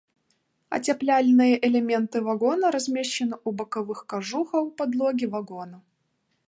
Ацяпляльныя элементы вагона размешчаны ў бакавых кажуха ў падлогі вагона.